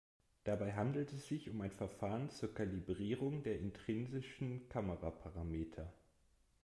Dabei handelt es sich um ein Verfahren zur Kalibrierung der intrinsischen Kameraparameter.